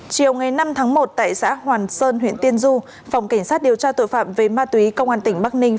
chiều ngày năm tháng một tại xã hoàn sơn huyện tiên du phòng cảnh sát điều tra tội phạm về ma túy công an tỉnh bắc ninh